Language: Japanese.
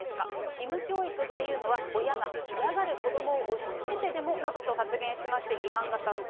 義務教育っていうのは、親が嫌がる子どもを押しつけてでもなどと発言しまして、批判が殺到。